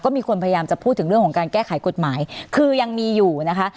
มีคนพยายามจะพูดถึงเรื่องของการแก้ไขกฎหมายคือยังมีอยู่นะคะ